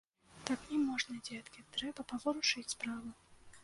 Так не можна, дзеткі, трэба паварушыць справу.